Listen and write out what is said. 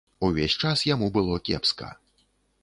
Увесь час яму было кепска.